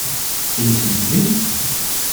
Bin ich männlich?